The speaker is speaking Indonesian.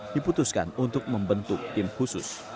diputuskan untuk membentuk tim khusus